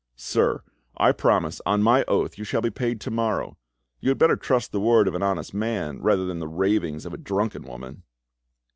"Sir, I promise on my oath you shall be paid tomorrow; you had better trust the word of an honest man rather than the ravings of a drunken woman."